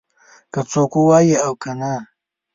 که څوک ووايي او که نه.